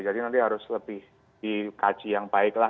jadi nanti harus lebih dikaji yang baik lah